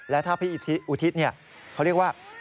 และถ้าพี่อุทิศเขาเรียกว่า